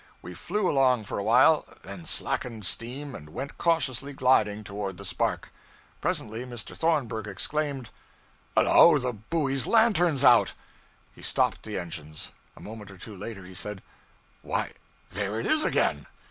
We flew along for a while, then slackened steam and went cautiously gliding toward the spark. Presently Mr. Thornburg exclaimed 'Hello, the buoy lantern's out!' He stopped the engines. A moment or two later he said 'Why, there it is again!'